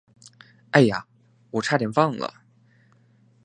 哎呀，我差点忘了。